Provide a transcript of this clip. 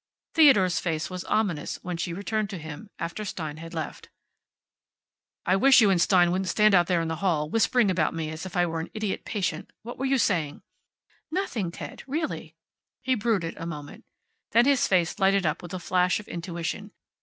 Theodore's face was ominous when she returned to him, after Stein had left. "I wish you and Stein wouldn't stand out there in the hall whispering about me as if I were an idiot patient. What were you saying?" "Nothing, Ted. Really." He brooded a moment. Then his face lighted up with a flash of intuition.